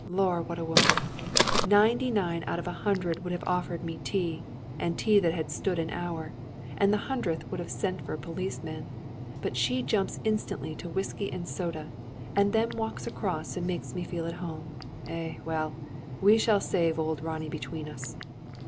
Lor, what a woman! Ninety nine out of a hundred would have offered me tea and tea that had stood an hour; and the hundredth would have sent for a policeman! But she jumps instantly to whisky and soda; and then walks across and makes me feel at home. Eh, well! We shall save old Ronnie between us."